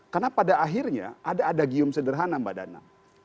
karena pada akhirnya ada ada gium sederhana mbak dana